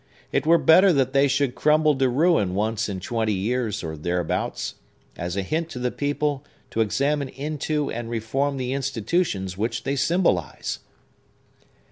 It were better that they should crumble to ruin once in twenty years, or thereabouts, as a hint to the people to examine into and reform the institutions which they symbolize."